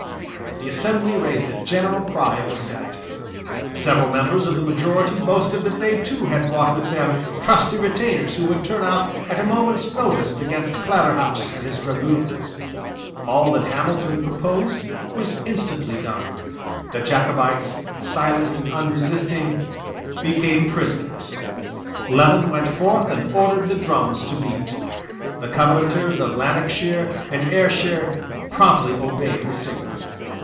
The assembly raised a general cry of assent. Several members of the majority boasted that they too had brought with them trusty retainers who would turn out at a moment's notice against Claverhouse and his dragoons. All that Hamilton proposed was instantly done. The Jacobites, silent and unresisting, became prisoners. Leven went forth and ordered the drums to beat. The Covenanters of Lanarkshire and Ayrshire promptly obeyed the signal.